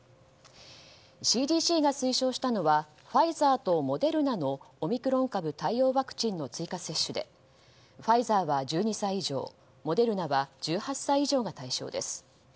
ＣＤＣが推奨したのはファイザーとモデルナのオミクロン株対応ワクチンの追加接種でファイザーは１２歳以上モデルナは１８歳以上が対象です。